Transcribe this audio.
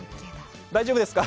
大丈夫ですか？